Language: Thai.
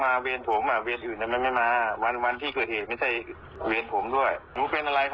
เราเวทจะได้ไปดูที่เกิดเหตุมาแจ้งอะไรตอนนี้ค่ะ